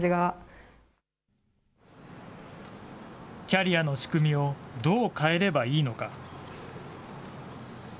キャリアの仕組みをどう変えればいいのか。